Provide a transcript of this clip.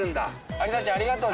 アリサちゃんありがとうね。